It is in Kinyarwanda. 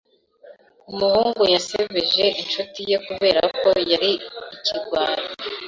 Umuhungu yasebeje inshuti ye kubera ko yari ikigwari.